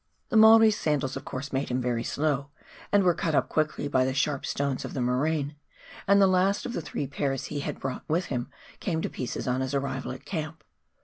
The Maori's sandals of course made him very slow, and were cut up quickly by the sharp stones of the moraine, and the last of the three pairs he had brought with him came to pieces on his arrival at camp.